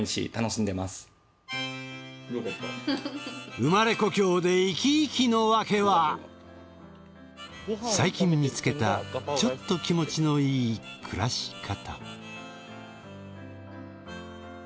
生まれ故郷で生き生きの訳は最近見つけたちょっと気持ちのいい暮らし方。